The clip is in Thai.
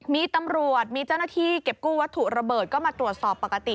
มีตำรวจมีเจ้าหน้าที่เก็บกู้วัตถุระเบิดก็มาตรวจสอบปกติ